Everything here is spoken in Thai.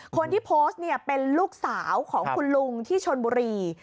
คนที่โพสต์เนี่ยเป็นลูกสาวของคุณลุงที่ชนบุรี